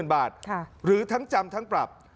๕๐๐๐๒๐๐๐๐บาทหรือทั้งจำทั้งปรับ